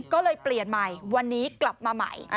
ก็เลยเปลี่ยนใหม่วันนี้กลับมาใหม่